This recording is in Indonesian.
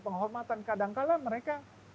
penghormatan kadang kadang mereka